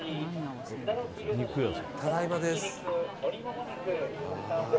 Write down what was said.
ただいまです。